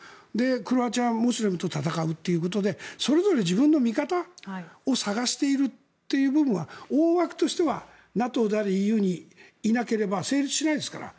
クロアチアはムスリムと戦うということでそれぞれ自分の味方を探している部分というのは大枠としてはＮＡＴＯでありＥＵにいなければ成立しないですから。